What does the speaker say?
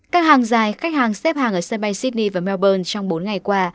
các hàng dài khách hàng xếp hàng ở sân bay sydney và melbourne trong bốn ngày qua